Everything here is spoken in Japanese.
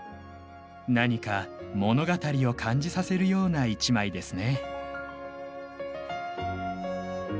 何か物語を感じさせるような一枚ですね。